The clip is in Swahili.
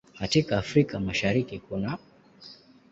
Katika Afrika ya Mashariki kunaː